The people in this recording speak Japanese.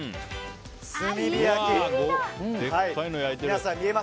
炭火焼き。